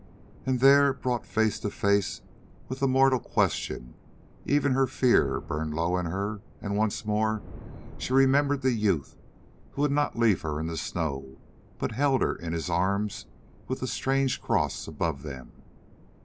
And there, brought face to face with the mortal question, even her fear burned low in her, and once more she remembered the youth who would not leave her in the snow, but held her in his arms with the strange cross above them.